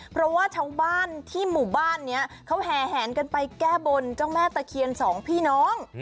เพราะว่าชาวบ้านที่หมู่บ้านนี้เขาแห่แหนกันไปแก้บนเจ้าแม่ตะเคียนสองพี่น้อง